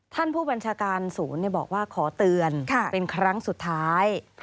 ท่านผู้บัญชาการศูนย์บอกว่าขอเตือนเป็นครั้งสุดท้าย